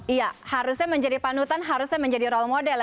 iya harusnya menjadi panutan harusnya menjadi role model ya